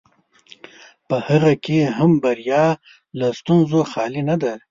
په هغه کې هم بریا له ستونزو خالي نه ده.